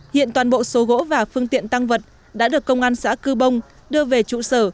hiện toàn bộ số gỗ và phương tiện tăng vật đã được công an xã cư bông đưa về trụ sở